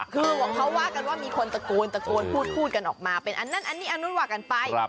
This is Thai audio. คือเขาว่ากันว่ามีคนตะโกนตะโกนพูดกันออกมาเป็นอันนั้นอันนี้อันนู้นว่ากันไป